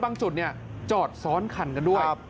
จุดจอดซ้อนคันกันด้วย